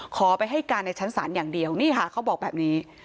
ขอไปให้การในชั้นศาลอย่างเดียวนี่ค่ะเขาบอกแบบนี้